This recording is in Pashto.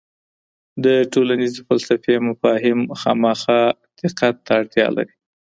د ټولنيزي فلسفې مفاهیم خامخا دقت ته اړتیا لري.